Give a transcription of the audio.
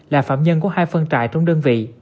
là phạm nhân của hai phân trại trong đơn vị